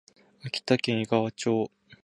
秋田県井川町